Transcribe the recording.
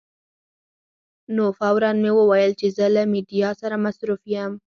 نو فوراً مې وویل چې زه له میډیا سره مصروف یم.